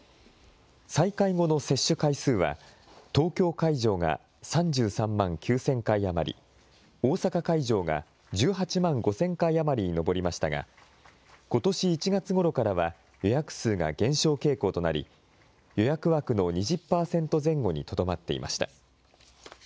再開後の接種回数は、東京会場が３３万９０００回余り、大阪会場が１８万５０００回余りに上りましたが、ことし１月ごろからは予約数が減少傾向となり、予約枠の２０％前後にとどまっていました。